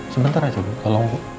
sebentar aja bu tolong bu